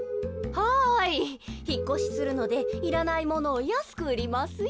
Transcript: はいひっこしするのでいらないものをやすくうりますよ。